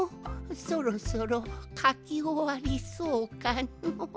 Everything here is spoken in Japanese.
そろそろかきおわりそうかの？